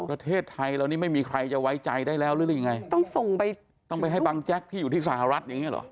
ประเทศไทยเรานี่ไม่มีใครจะไว้ใจได้แล้วหรือยังไงต้องส่งไปต้องไปให้บังแจ๊กที่อยู่ที่สหรัฐอย่างเงี้เหรอ